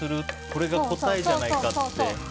これが答えじゃないかって。